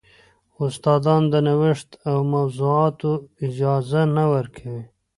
استادان د نوښت او موضوعاتو اجازه نه ورکوي.